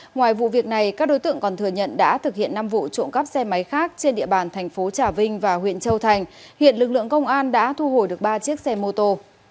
ngoài vụ việc này các đối tượng còn thừa nhận đã thực hiện năm vụ trộm cắp xe máy khác trên địa bàn thành phố trà vinh và huyện châu thành hiện lực lượng công an đã thu hồi được ba chiếc xe mô tô